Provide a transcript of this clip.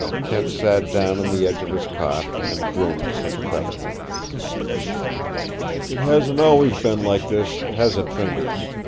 Kent sat down on the edge of his cot and grinned sympathetically. "It hasn't always been like this, has it, Fingers?"